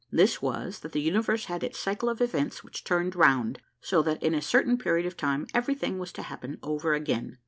This was, that the universe had its cycle of events which turned round, so that in a certain period of time everything was to happen over again.